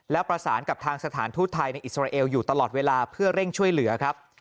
และประสานกับทางสถานทูตไทยในอิสราเอลอยู่ตลอดเวลาเพื่อเร่งช่วยเหลือครับ